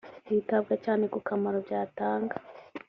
hitabwa cyane ku kamaro byatanga